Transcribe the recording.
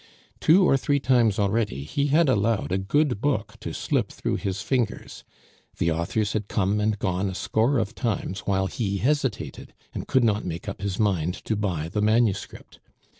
Two or three times already he had allowed a good book to slip through his fingers; the authors had come and gone a score of times while he hesitated, and could not make up his mind to buy the manuscript.